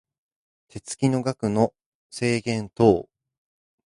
手付の額の制限等